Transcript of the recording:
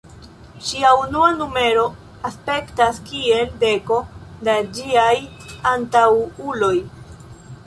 Ŝia unua numero aspektas kiel deko da ĝiaj antaŭuloj.